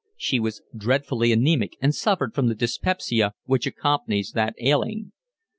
She was dreadfully anaemic and suffered from the dyspepsia which accompanies that ailing.